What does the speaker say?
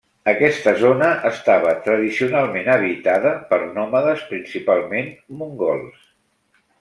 Aquesta zona estava tradicionalment habitada per nòmades principalment mongols.